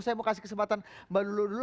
saya mau kasih kesempatan mbak lulu dulu